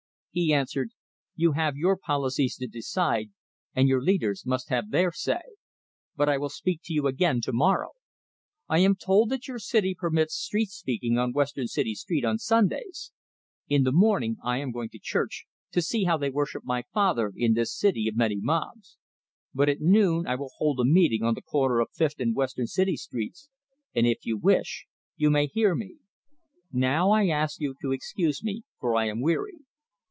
He answered, "You have your policies to decide, and your leaders must have their say. But I will speak to you again to morrow. I am told that your city permits street speaking on Western City Street on Sundays. In the morning I am going to church, to see how they worship my Father in this city of many mobs; but at noon I will hold a meeting on the corner of Fifth and Western City Streets, and if you wish, you may hear me. Now I ask you to excuse me, for I am weary."